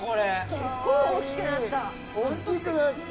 結構大きくなった。